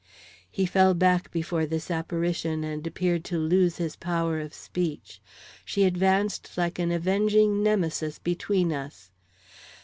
He fell back before this apparition and appeared to lose his power of speech. She advanced like an avenging Nemesis between us.